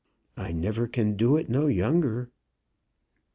I never can do it no younger."